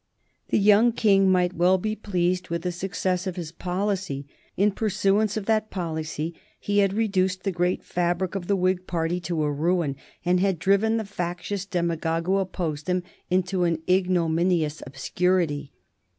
The young King might well be pleased with the success of his policy. In pursuance of that policy he had reduced the great fabric of the Whig party to a ruin, and had driven the factious demagogue who opposed him into an ignominious obscurity.